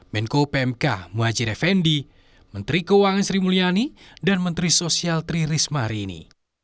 menko pmk muhajir effendi menteri keuangan sri mulyani dan menteri sosial tri risma hari ini